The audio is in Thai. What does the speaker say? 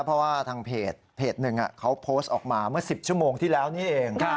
เพราะว่าทางเพจหนึ่งเขาโพสต์ออกมาเมื่อ๑๐ชั่วโมงที่แล้วนี่เอง